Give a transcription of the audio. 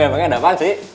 emangnya ada apaan sih